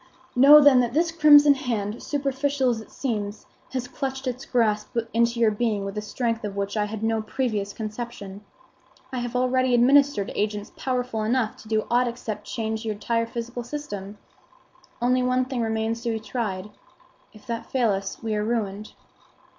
Know, then, that this crimson hand, superficial as it seems, has clutched its grasp into your being with a strength of which I had no previous conception. I have already administered agents powerful enough to do aught except to change your entire physical system. Only one thing remains to be tried. If that fail us we are ruined."